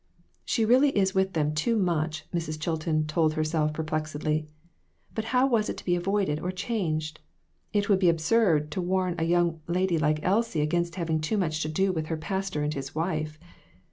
"She really is with them too much," Mrs. Chil ton told herself perplexedly. But how was it to be avoided or changed ? It would be absurd to warn a young lady like Elsie against having too much to do with her pastor and his wife